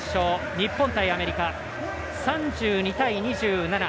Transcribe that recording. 日本対アメリカ、３２対２７。